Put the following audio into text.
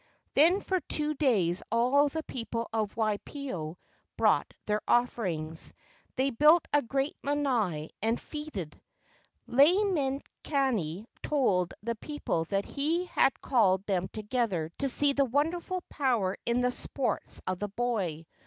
Then for two days all the people of Waipio brought their offerings. They built a great lanai, and feated. Lei makani told the people that he had called them together to see the wonderful power in the sports of the boy.